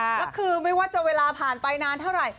แล้วคือไม่ว่าจะเวลาผ่านไปนานเท่าไหร่